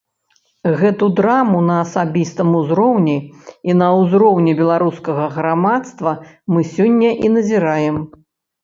Гэту драму на асабістым узроўні і на ўзроўні беларускага грамадства мы сёння і назіраем.